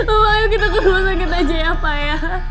betul ayo kita ke rumah sakit aja ya pak ya